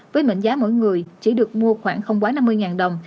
với mệnh giá mỗi người chỉ được mua khoảng không quá năm mươi đồng